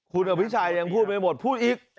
คุณอภิชัยยังพูดไม่หมดพูดอีก